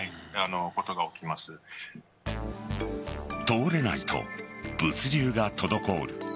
通れないと物流が滞る。